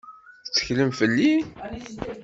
Tetteklem fell-i?